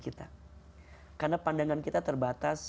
karena pandangan kita terbatas